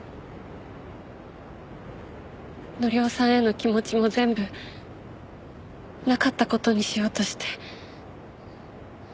紀夫さんへの気持ちも全部なかった事にしようとして。